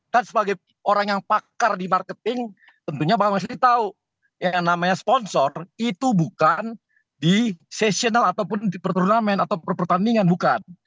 kan sebagai orang yang pakar di marketing tentunya bang mas ini tahu yang namanya sponsor itu bukan di sessional ataupun di pertunamen atau per pertandingan bukan